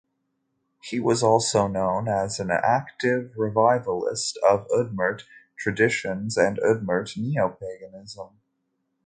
He was also known as an active revivalist of Udmurt traditions and Udmurt neopaganism.